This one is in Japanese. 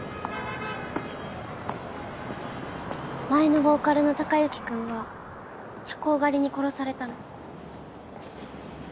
前のボーカルの孝之君は夜行狩りに殺されたの。